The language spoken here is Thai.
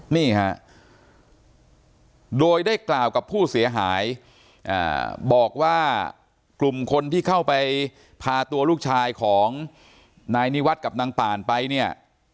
นี่ฮะโดยได้กล่าวกับผู้เสียหายบอกว่ากลุ่มคนที่เข้าไปพาตัวลูกชายของนายนิวัตรกับนางป่านไปเนี่ย